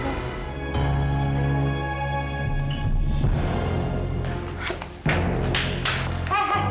karena itu hak aku